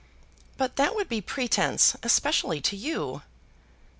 "But that would be pretence, especially to you."